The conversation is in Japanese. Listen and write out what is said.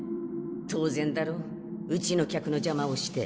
当然だろうちの客のじゃまをして。